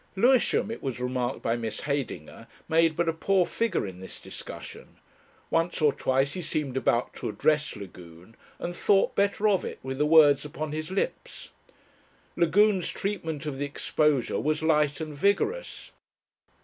Lewisham, it was remarked by Miss Heydinger, made but a poor figure in this discussion. Once or twice he seemed about to address Lagune, and thought better of it with the words upon his lips. Lagune's treatment of the exposure was light and vigorous.